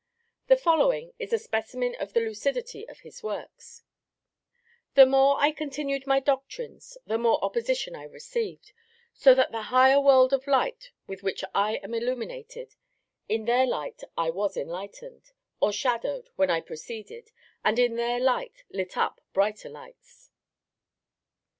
The following is a specimen of the lucidity of his works: "The more I continued my doctrines, the more opposition I received, so that also the higher world of light with which I am illuminated, in their light I was enlightened, or shadowed, when I proceeded, and in their light lit I up brighter lights."